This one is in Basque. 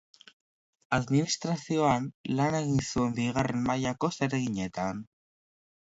Administrazioan lan egin zuen bigarren mailako zereginetan.